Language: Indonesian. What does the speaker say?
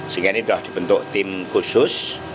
sehingga ini sudah dibentuk tim khusus